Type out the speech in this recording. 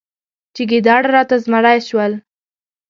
چې ګیدړ راته زمری شول.